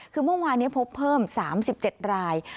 คือเมื่อวานนี้พบเพิ่ม๓๗ราย